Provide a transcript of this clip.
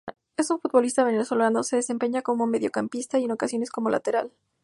Es un futbolista venezolano, se desempeña como mediocampista y en ocasiones como lateral.